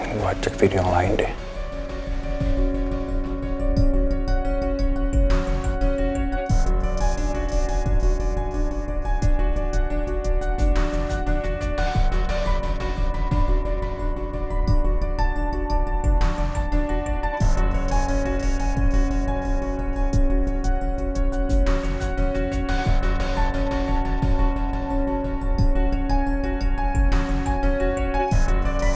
gue cek video yang lain deh